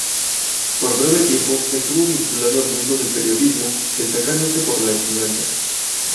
Por breve tiempo, estuvo vinculado al mundo del periodismo, decantándose por la enseñanza.